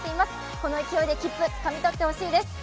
この勢いで切符、つかみ取ってほしいです。